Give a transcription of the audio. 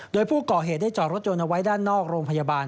โดยผู้ก่อเหตุได้จอดรถยนต์เอาไว้ด้านนอกโรงพยาบาล